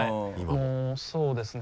もうそうですね